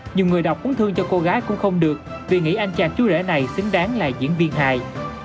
nhiều người đọc cuốn thương cho cô gái cũng không được vì nghĩ anh chàng chú rễ này xứng đáng là diễn viên hài